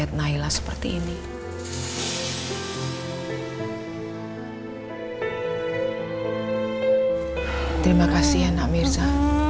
terima kasih ya nak mirza